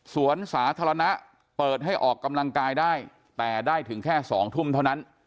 สวนสาธารณะเปิดให้ออกกำลังกายได้แต่ได้ถึงแค่๒ทุ่มเท่านั้น